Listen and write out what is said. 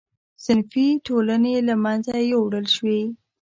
صنفي ټولنې له منځه یووړل شوې.